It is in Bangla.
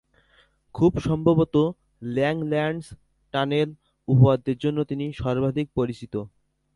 খুব সম্ভবত ল্যাংল্যান্ডস-টানেল উপপাদ্যের জন্য তিনি সর্বাধিক পরিচিত।